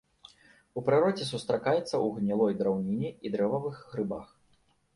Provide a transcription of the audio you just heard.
У прыродзе сустракаецца ў гнілой драўніне і дрэвавых грыбах.